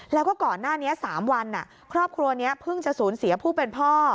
แล้วก็ก่อนหน้านี้สามวันข้อครอบครัวเนี่ยพึ่งจะศูนย์เสียผู้เป็นพ่อ